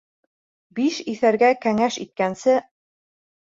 Биш иҫәргә кәңәш иткәнсе.